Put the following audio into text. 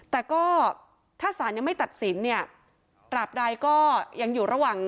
แต่ก็ถ้าสารยังไม่ตัดสินเนี่ยตราบใดก็ยังอยู่ระหว่าง